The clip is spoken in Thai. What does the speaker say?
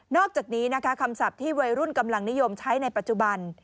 อกจากนี้นะคะคำศัพท์ที่วัยรุ่นกำลังนิยมใช้ในปัจจุบัน